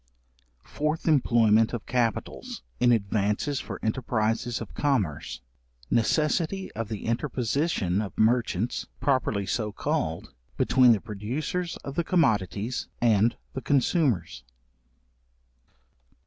Fourth employment of capitals, in advances for enterprises of commerce. Necessity of the interposition of merchants, properly so called, between the producers of the commodities and the consumers.